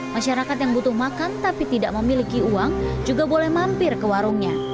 masyarakat yang butuh makan tapi tidak memiliki uang juga boleh mampir ke warungnya